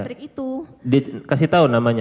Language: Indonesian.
si patrick itu kasih tau namanya